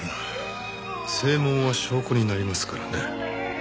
声紋は証拠になりますからね。